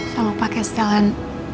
selalu pake setelan